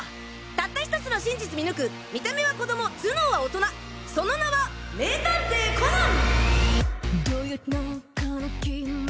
たった１つの真実見抜く見た目は子供頭脳は大人その名は名探偵コナン！